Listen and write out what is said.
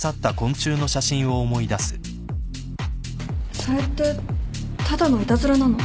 それってただのいたずらなの？